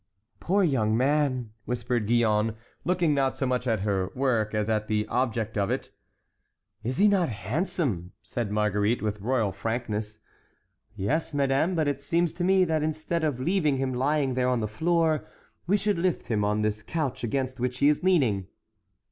"Poor young man!" whispered Gillonne, looking not so much at her work as at the object of it. "Is he not handsome?" said Marguerite, with royal frankness. "Yes, madame; but it seems to me that instead of leaving him lying there on the floor, we should lift him on this couch against which he is leaning."